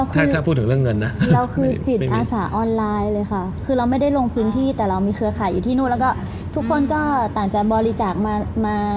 ถ้าพูดถึงเรื่องเงินนะ